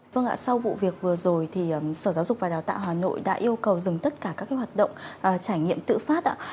vâng ạ sau vụ việc vừa rồi thì sở giáo dục và đào tạo hà nội đã yêu cầu dừng tất cả các hoạt động trải nghiệm tự phát